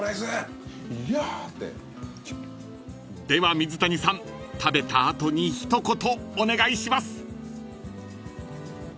［では水谷さん食べた後に一言お願いします］